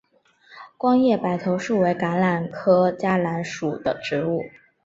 光叶白头树为橄榄科嘉榄属的植物。